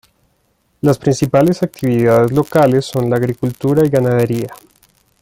Las principales actividades locales son la agricultura y ganadería.